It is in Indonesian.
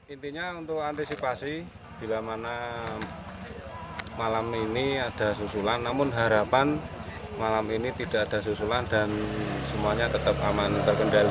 intinya untuk antisipasi bila mana malam ini ada susulan namun harapan malam ini tidak ada susulan dan semuanya tetap aman terkendali